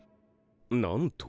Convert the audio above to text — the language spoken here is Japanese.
なんと？